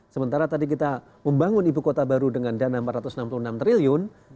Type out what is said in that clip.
sementara tadi kita membangun ibu kota baru dengan dana rp empat ratus enam puluh enam triliun